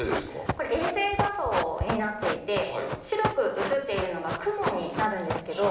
これ衛星画像になっていて、白く映っているのが雲になるんですけど。